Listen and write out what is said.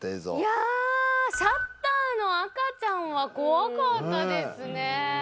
いやシャッターの赤ちゃんは怖かったですね